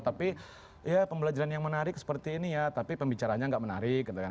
tapi ya pembelajaran yang menarik seperti ini ya tapi pembicaranya nggak menarik gitu kan